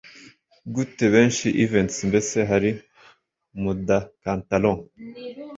Gute benshi Events Mbese Hari mu Decathalon